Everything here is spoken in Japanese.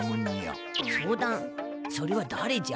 それはだれじゃ？